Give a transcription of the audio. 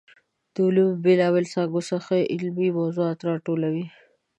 د علومو بېلا بېلو څانګو څخه علمي موضوعات راټولوي.